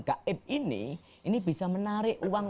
gaib ini ini bisa menurjang